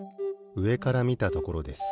うえからみたところです。